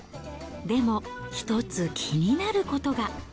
でも、１つ気になることが。